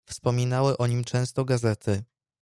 "Wspominały o nim często gazety."